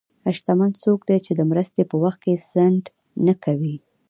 شتمن څوک دی چې د مرستې په وخت کې ځنډ نه کوي.